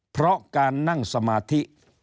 เพราะการนั่งสมาธิ